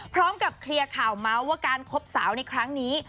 พร้อมกับเคลียร์ข่าวเมาส์ว่าการคบสาวในครั้งนี้